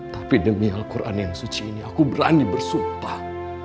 tapi demi al quran yang suci ini aku berani bersumpah